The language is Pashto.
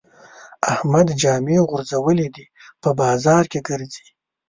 احمد جامې غورځولې دي؛ په بازار کې ګرځي.